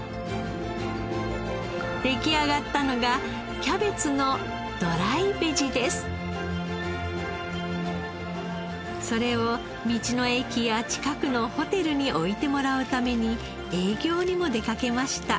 出来上がったのがそれを道の駅や近くのホテルに置いてもらうために営業にも出かけました。